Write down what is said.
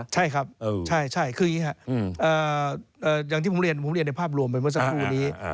ใช่ครับคืออย่างที่ผมเรียนในภาพรวมเป็นเมื่อสักครู่นี้